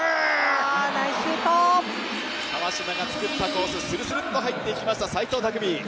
川島が作ったコース、するするっと入っていきました齋藤拓実。